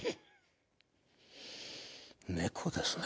猫ですね。